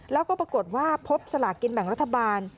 แล้วก็ปรากฏว่าพบสลากินแบ่งรัฐบาล